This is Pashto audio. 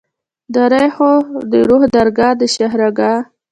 درېښو دروح درګه ، دشاهرګه